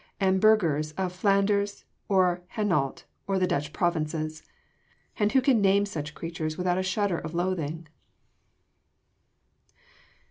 and burghers of Flanders or Hainault or the Dutch provinces! and who can name such creatures without a shudder of loathing?